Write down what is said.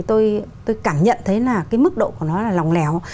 tôi cảm nhận thấy mức độ của nó là lòng lẻo